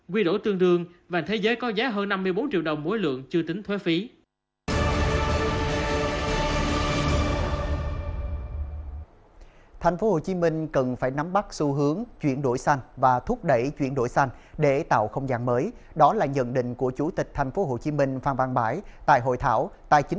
quy đổ tương đương vàng thế giới có giá hơn năm mươi bốn triệu đồng mỗi lượng chưa tính thuê phiên